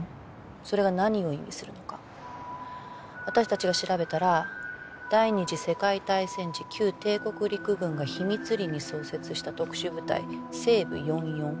それが何を意味するのか私たちが調べたら第二次世界大戦時旧帝国陸軍が秘密裏に創設した特殊部隊西部四四